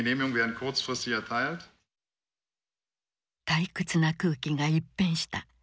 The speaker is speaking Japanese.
退屈な空気が一変した。